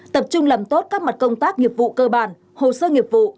tập trung làm tốt các mặt công tác nghiệp vụ cơ bản hồ sơ nghiệp vụ